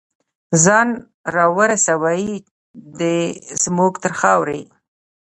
ځان راورسوي دی زمونږ تر خاورې